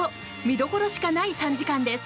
見どころしかない３時間です。